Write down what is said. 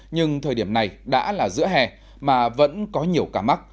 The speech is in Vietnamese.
nhưng thời điểm này đã là giữa hè mà vẫn có nhiều ca mắc